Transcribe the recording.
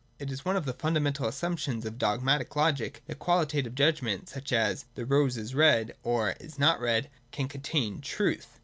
It is one of the fundamental assumptions of dogmatic Logic that Qualitative judgments such as, 'The rose is red,' or 'is not red,' can contain truth.